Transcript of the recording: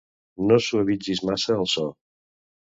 No suavitzis massa el so.